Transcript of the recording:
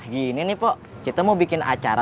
gini nih pak kita mau bikin acara